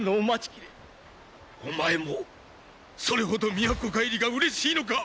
お前もそれほど都還りがうれしいのか！